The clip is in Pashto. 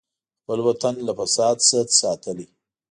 خپل وطن له فساد نه ساتلی.